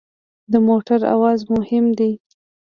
د موټر اواز مهم دی.